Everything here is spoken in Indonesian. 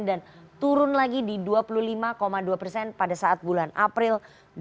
dan turun lagi di dua puluh lima dua persen pada saat bulan april dua ribu dua puluh tiga